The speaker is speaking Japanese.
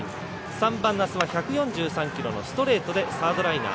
３番、奈須は１３０キロのストレートでサードライナー。